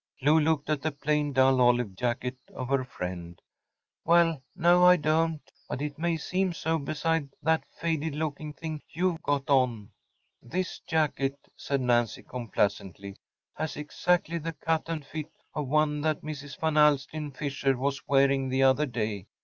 ‚ÄĚ Lou looked at the plain, dull olive jacket of her friend. “Well, no I don‚Äôt‚ÄĒbut it may seem so beside that faded looking thing you’ve got on.‚ÄĚ “This jacket,‚ÄĚ said Nancy, complacently, “has exactly the cut and fit of one that Mrs. Van Alstyne Fisher was wearing the other day.